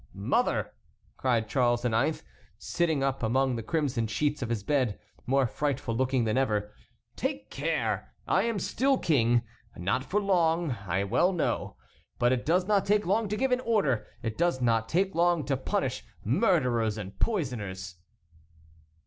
"Mother," cried Charles IX., sitting up among the crimson sheets of his bed, more frightful looking than ever, "take care, I am still King. Not for long, I well know; but it does not take long to give an order; it does not take long to punish murderers and poisoners."